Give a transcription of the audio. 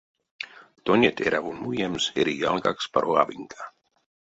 Тонеть эряволь муемс эри ялгакс паро авинька.